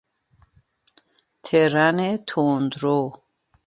ترن تندرو